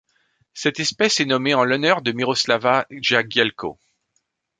Cette espèce est nommée en l'honneur de Miroslawa Jagielko.